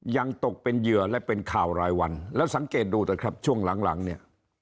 ยังตกเป็นเหยื่อและเป็นข่าวรายวันแล้วสังเกตดูเถอะครับช่วงหลังหลังเนี่ย